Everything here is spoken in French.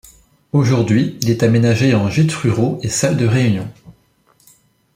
Aujourd’hui, il est aménagé en gîtes ruraux et salle de réunion.